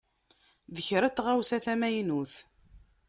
D kra n taɣawsa tamynut.